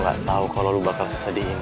gue gak tau kalo lo bakal sesedih ini